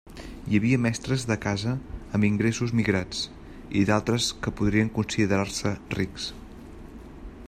Hi havia mestres de casa amb ingressos migrats i d'altres que podrien considerar-se rics.